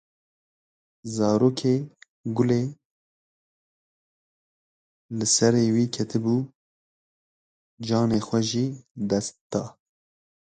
Zarokê gule li serê wî ketibû canê xwe ji dest da.